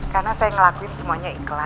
karena saya ngelakuin semuanya ikhlas